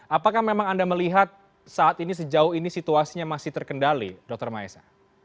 apakah memang anda melihat saat ini sejauh ini situasinya masih terkendali dr maesa